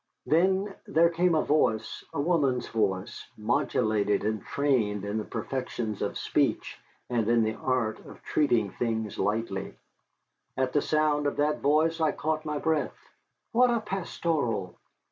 Then there came a voice, a woman's voice, modulated and trained in the perfections of speech and in the art of treating things lightly. At the sound of that voice I caught my breath. "What a pastoral!